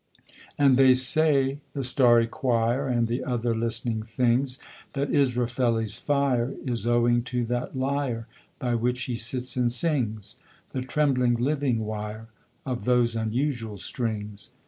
And they say (the starry choir And the other listening things) That Israfeli's fire Is owing to that lyre By which he sits and sings The trembling living wire Of those unusual strings.